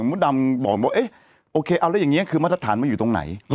มดดำบอกว่าเอ๊ะโอเคเอาแล้วอย่างนี้คือมาตรฐานมันอยู่ตรงไหน